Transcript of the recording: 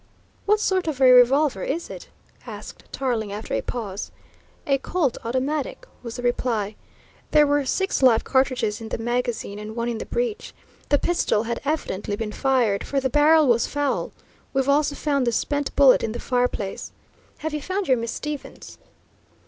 "What sort of a revolver is it?" asked Tarling after a pause. "A Colt automatic," was the reply. "There were six live cartridges in the magazine and one in the breach. The pistol had evidently been fired, for the barrel was foul. We've also found the spent bullet in the fireplace. Have you found your Miss Stevens?"